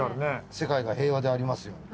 世界が平和でありますように。